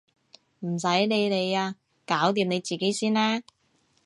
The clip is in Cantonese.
唔使你理啊！搞掂你自己先啦！